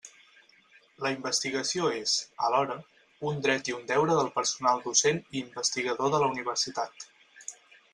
La investigació és, alhora, un dret i un deure del personal docent i investigador de la Universitat.